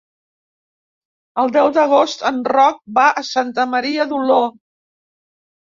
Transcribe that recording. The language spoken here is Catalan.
El deu d'agost en Roc va a Santa Maria d'Oló.